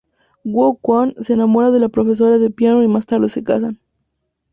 Wook Kwan se enamora de la profesora de piano y más tarde se casan.